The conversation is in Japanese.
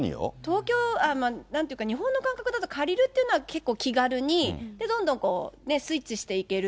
東京、なんて言うか日本の感覚だと借りるってのは結構気軽に、どんどんスイッチしていける。